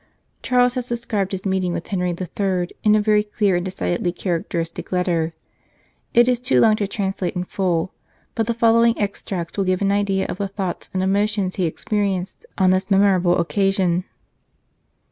Charles has described his meeting with Henry III. in a very clear and decidedly charac teristic letter. It is too long to translate in full, but the following extracts will give an idea of the thoughts and emotions he experienced on this memorable occasion.